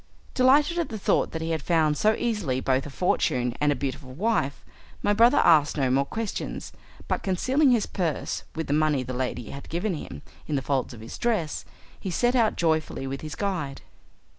Delighted at the thought that he had found so easily both a fortune and a beautiful wife, my brother asked no more questions, but concealing his purse, with the money the lady had given him, in the folds of his dress, he set out joyfully with his guide.